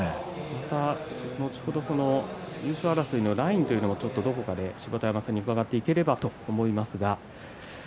後ほど優勝争いのラインというものも芝田山さんに聞いていければと思います。